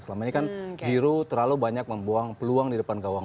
selama ini kan giro terlalu banyak membuang peluang di depan gawang